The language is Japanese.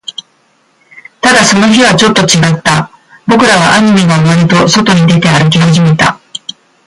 ただ、その日はちょっと違った。僕らはアニメが終わると、外に出て、歩き始めた。